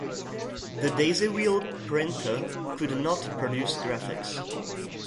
The daisy-wheel printer could not produce graphics.